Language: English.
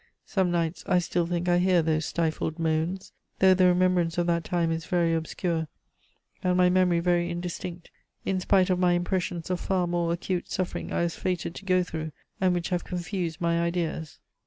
Some nights I still think I hear those stifled moans; though the remembrance of that time is very obscure, and my memory very indistinct, in spite of my impressions of far more acute suffering I was fated to go through, and which have confused my ideas.